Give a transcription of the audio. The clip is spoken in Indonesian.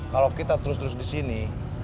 kalau kita terus terus disini